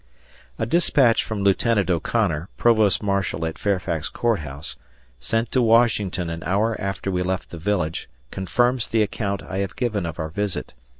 A dispatch from Lieutenant O'Connor, Provost Marshal at Fairfax Court House, sent to Washington an hour after we left the village, confirms the account I have given of our visit.